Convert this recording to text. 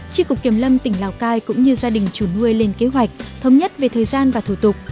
tri cục kiểm lâm tỉnh lào cai cũng như gia đình chủ nuôi lên kế hoạch thống nhất về thời gian và thủ tục